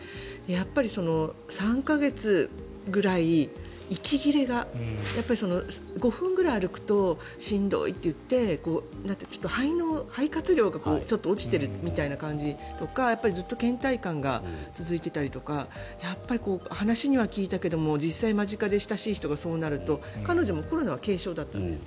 やっぱり３か月くらい息切れが５分ぐらい歩くとしんどいと言ってちょっと、肺活量が落ちているみたいな感じとかずっとけん怠感が続いていたりとかやっぱり話には聞いたけども実際に身近で親しい人がそうなると、彼女もコロナは軽症だったんです。